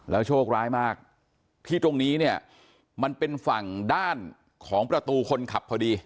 โชคร้ายมากที่ตรงนี้เนี่ยมันเป็นฝั่งด้านของประตูคนขับพอดี